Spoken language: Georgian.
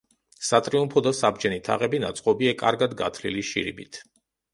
სატრიუმფო და საბჯენი თაღები ნაწყობია კარგად გათლილი შირიმით.